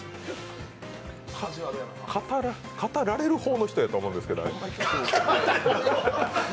語られる方の人やと思うんですけど、あいつ。